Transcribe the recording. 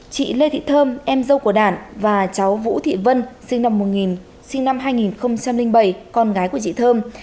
chị lê thị thơm em dâu của đạt và cháu vũ thị vân sinh năm hai nghìn bảy con gái của chị thơm